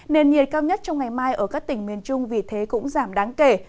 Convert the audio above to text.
nền nhiệt cao nhất trong ngày mai ở các tỉnh miền trung vì thế cũng giảm đáng kể